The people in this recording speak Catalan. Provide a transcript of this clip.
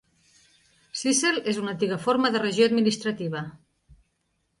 Syssel és una antiga forma de regió administrativa.